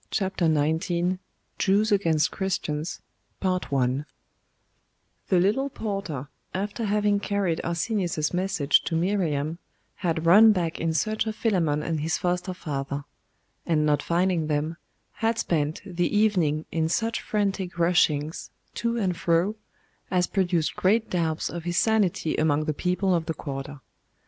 CHAPTER XIX: JEWS AGAINST CHRISTIANS THE little porter, after having carried Arsenius's message to Miriam, had run back in search of Philammon and his foster father; and not finding them, had spent the evening in such frantic rushings to and fro, as produced great doubts of his sanity among the people of the quarter.